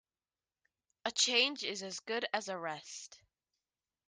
A change is as good as a rest.